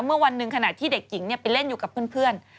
เมื่อวันหนึ่งขณะที่เด็กหญิงไปเล่นอยู่กับเพื่อน